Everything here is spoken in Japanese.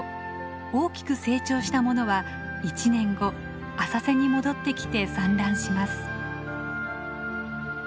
大きく成長したものは１年後浅瀬に戻ってきて産卵します。